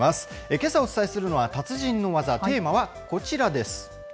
けさ、お伝えするのは達人の技、テーマはこちらです。